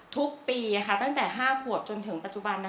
ทุกปีตั้งแต่๕ขวบจนถึงปัจจุบัน